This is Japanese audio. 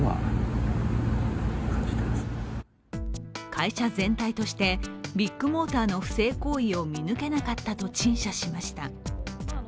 会社全体として、ビッグモーターの不正行為を見抜けなかったと陳謝しました。